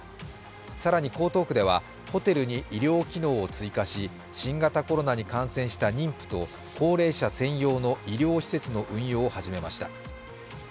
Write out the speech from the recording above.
更に江東区ではホテルに医療機能を追加し新型コロナに感染した妊婦と高齢者専用の医療施設の運用を始めました。